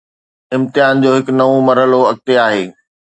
امتحان جو هڪ نئون مرحلو اڳتي آهي.